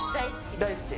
大好き？